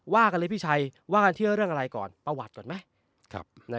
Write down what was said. กันเลยพี่ชัยว่ากันเชื่อเรื่องอะไรก่อนประวัติก่อนไหม